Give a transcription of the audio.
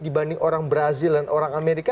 dibanding orang brazil dan orang amerika